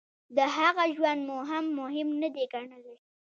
د هغه ژوند مو هم مهم نه دی ګڼلی.